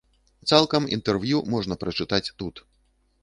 Цалкам інтэрв'ю можна прачытаць тут.